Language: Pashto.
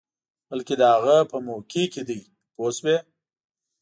بلکې د هغه په موقع کې دی پوه شوې!.